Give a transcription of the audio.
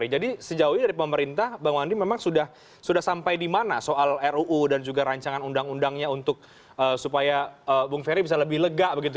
jadi sejauhnya dari pemerintah bang wandi memang sudah sampai di mana soal ruu dan juga rancangan undang undangnya untuk supaya bu ferry bisa lebih lega begitu